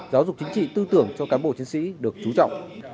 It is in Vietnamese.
giáo dục chính trị tư tưởng cho cán bộ chiến sĩ được trú trọng